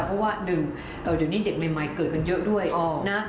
เพราะว่าหนึ่งเดี๋ยวนี้เด็กใหม่เกิดกันเยอะด้วยนะ